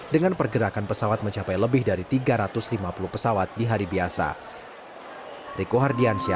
dengan pergerakan pesawat mencapai lebih dari tiga ratus lima puluh pesawat di hari biasa